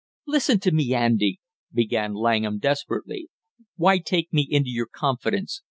"Listen to me, Andy!" began Langham desperately. "Why take me into your confidence?"